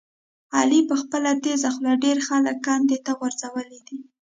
علي په خپله تېزه خوله ډېر خلک کندې ته غورځولي دي.